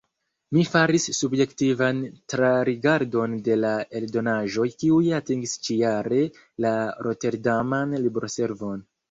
Mi faris subjektivan trarigardon de la eldonaĵoj kiuj atingis ĉi-jare la roterdaman libroservon.